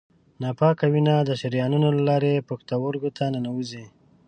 ناپاکه وینه د شریانونو له لارې پښتورګو ته ننوزي.